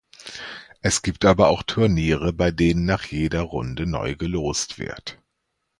Es gibt aber auch Turniere, bei denen nach jeder Runde neu gelost wird.